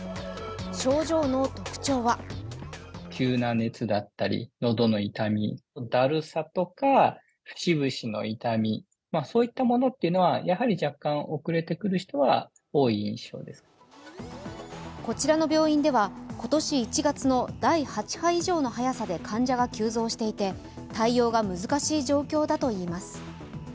症状の特徴はこちらの病院では今年１月の第８波以上の早さで患者が急増していて、対応が難しい状況だといいます。